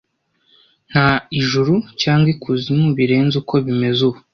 Nta ijuru cyangwa ikuzimu birenze uko bimeze ubu.